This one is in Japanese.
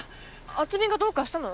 あつみがどうかしたの？